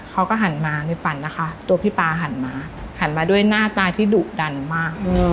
เขาก็หันมาในฝันนะคะตัวพี่ป๊าหันมาหันมาด้วยหน้าตาที่ดุดันมาก